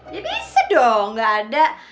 ya bisa dong nggak ada